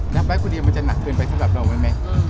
นับแรกคุณเรียนมันจะหนักขึ้นไปสำหรับเราไหม